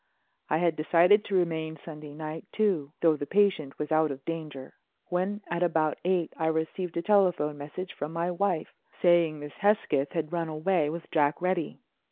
I had decided to remain Sunday night too—though the patient was out of danger—when at about eight I received a telephone message from my wife saying Miss Hesketh had run away with Jack Reddy.